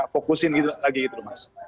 fokusin lagi gitu mas